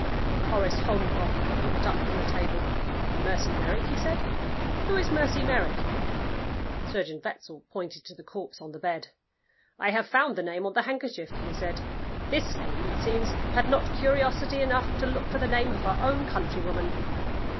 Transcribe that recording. Horace Holmcroft looked up from the table. "Mercy Merrick?" he said. "Who is Mercy Merrick?" Surgeon Wetzel pointed to the corpse on the bed. "I have found the name on the handkerchief," he said. "This lady, it seems, had not curiosity enough to look for the name of her own countrywoman."